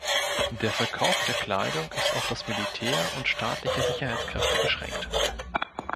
Der Verkauf der Kleidung ist auf das Militär und staatliche Sicherheitskräfte beschränkt.